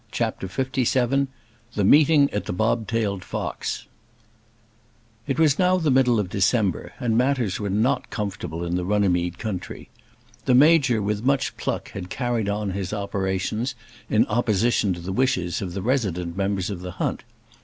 CHAPTER LVII The Meeting at "The Bobtailed Fox" It was now the middle of December, and matters were not comfortable in the Runnymede country. The Major with much pluck had carried on his operations in opposition to the wishes of the resident members of the hunt.